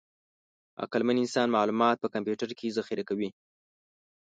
عقلمن انسان معلومات په کمپیوټر کې ذخیره کوي.